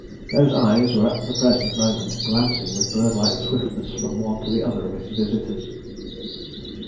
Those eyes were at the present moment glancing with bird like swiftness from one to the other of his visitors.